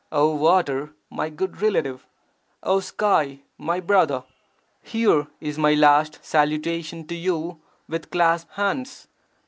O Water, my good relative! O sky, my brother! here is my last salutation to you with clasped hands!